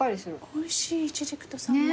おいしいイチジクとサンマ。